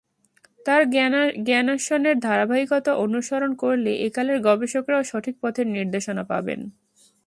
তাঁর জ্ঞানান্বেষণের ধারাবাহিকতা অনুসরণ করলে একালের গবেষকেরাও সঠিক পথের নির্দেশনা পাবেন।